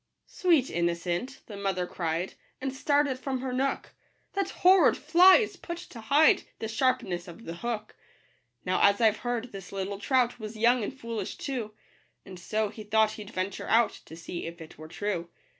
" Sweet innocent," the mother cried, And started from her nook, " That horrid fly is put to hide The sharpness of the hook." Now, as I've heard, this little trout Was young and foolish too ; And so he thought he'd venture out, To see if it were true.